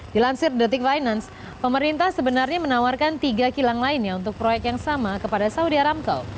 dilansir the tick finance pemerintah sebenarnya menawarkan tiga kilang lainnya untuk proyek yang sama kepada saudi aramco